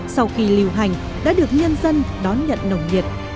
sau khi lưu hành đã được nhân dân đón nhận nồng nhiệt